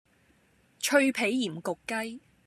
脆皮鹽焗鷄